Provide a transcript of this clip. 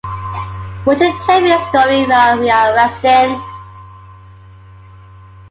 Won't you tell me a story, while we are resting?